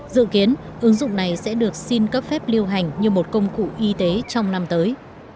dự kiến ứng dụng này sẽ được xin cấp phép lưu hành như một công cụ y tế trong năm tới